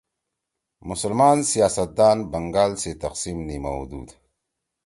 مسلمان سیاست دان بنگال سی تقسیم نیِمؤدُود۔